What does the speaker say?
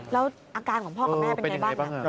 แล้วอาการของพ่อกับแม่เป็นไงบ้าง